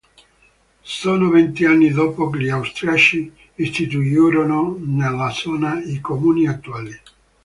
Solo vent’anni dopo gli austriaci istituirono nella zona i comuni attuali.